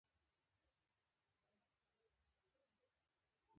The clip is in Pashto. انسان په دوه ډوله جوړښتونو کي راګېر دی